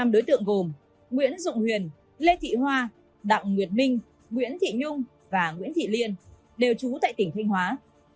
năm đối tượng gồm nguyễn dụng huyền lê thị hoa đặng nguyệt minh nguyễn thị nhung và nguyễn thị liên đều trú tại tỉnh thanh hóa